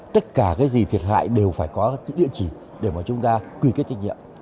tất cả cái gì thiệt hại đều phải có cái địa chỉ để mà chúng ta quy kết trách nhiệm